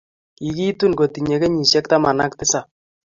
Kikitun kotinye kenyishek taman ak tisap